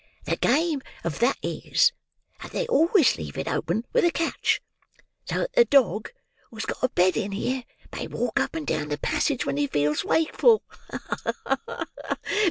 "The game of that is, that they always leave it open with a catch, so that the dog, who's got a bed in here, may walk up and down the passage when he feels wakeful. Ha! ha!